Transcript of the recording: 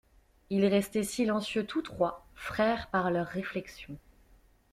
Ils restaient silencieux tous trois, frères par leurs réflexions.